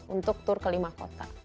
untuk tour ke lima kota